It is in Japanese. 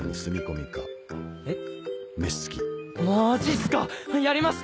えっ？